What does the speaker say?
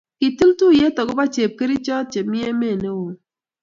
Kitil tuyet akobo chepkerichot chemi emet neywon